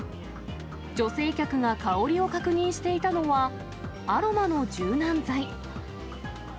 女性客が香りを確認していたのは、アロマの柔軟剤。